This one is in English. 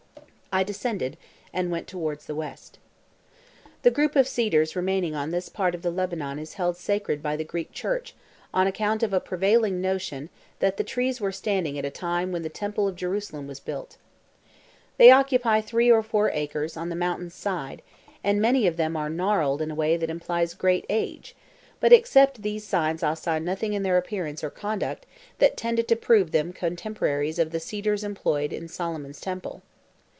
I descended and went towards the west. The group of cedars remaining on this part of the Lebanon is held sacred by the Greek Church on account of a prevailing notion that the trees were standing at a time when the temple of Jerusalem was built. They occupy three or four acres on the mountain's side, and many of them are gnarled in a way that implies great age, but except these signs I saw nothing in their appearance or conduct that tended to prove them contemporaries of the cedars employed in Solomon's Temple.